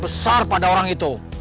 besar pada orang itu